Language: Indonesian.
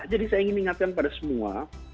jadi saya ingin mengingatkan pada semua